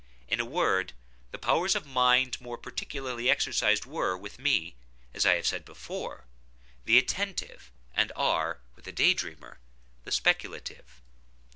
In a word, the powers of mind more particularly exercised were, with me, as I have said before, the attentive, and are, with the day dreamer, the speculative.